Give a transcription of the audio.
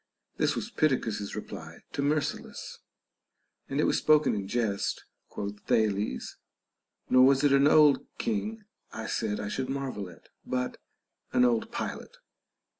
This was Pittacus's reply to Myrsilus, and it was spoken in jest, quoth Thales ; nor was it an old king I said I should mar vel at, but an old pilot.